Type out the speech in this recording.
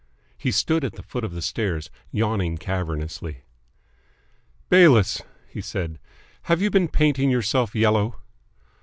He stood at the foot of the stairs, yawning cavernously. "Bayliss," he said, "have you been painting yourself yellow?"